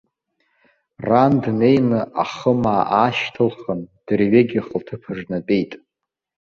Ран днеины ахымаа аашьҭылхын, дырҩегьых лҭыԥаҿ днатәеит.